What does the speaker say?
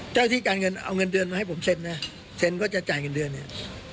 เจ้าที่การเงินเอาเงินเดือนมาให้ผมเซ็นนะเซ็นก็จะจ่ายเงินเดือนเนี่ย